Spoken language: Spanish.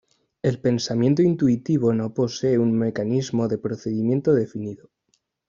El pensamiento intuitivo no posee un mecanismo de procedimiento definido.